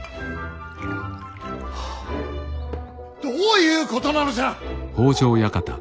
どういうことなのじゃ！